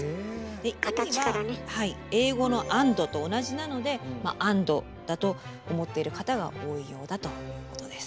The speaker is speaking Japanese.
で意味は英語の「ａｎｄ」と同じなので「アンド」だと思ってる方が多いようだということです。